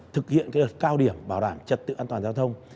thực hiện đợt cao điểm bảo đảm trật tự an toàn giao thông